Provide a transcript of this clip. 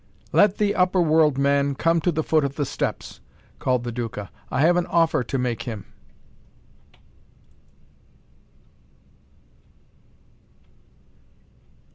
"Let the upper world man come to the foot of the steps," called the Duca. "I have an offer to make him!"